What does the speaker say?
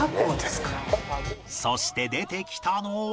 そして出てきたのは